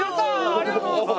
ありがとうございます。